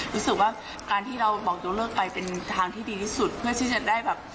รู้สึกว่าการที่เราบอกยกเลิกไปเป็นทางที่ดีที่สุดเพื่อที่จะได้แบบ